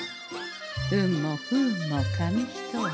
運も不運も紙一重。